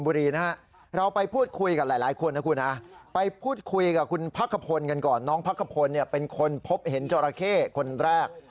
พระขะพลกันก่อนน้องพระขะพลเป็นคนพบเห็นจอราเข้คนแรก